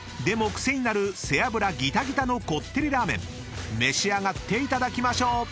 でも癖になる背脂ギタギタのこってりラーメン召し上がっていただきましょう］